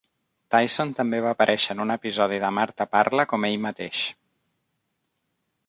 Tyson també va aparèixer en un episodi de "Martha parla" com ell mateix.